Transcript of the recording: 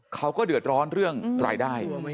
เขาก็เดือดร้อนเรื่องรายได้